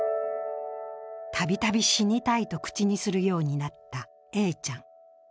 度々、死にたいと口にするようになったＡちゃん。